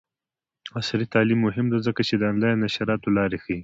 عصري تعلیم مهم دی ځکه چې د آنلاین نشراتو لارې ښيي.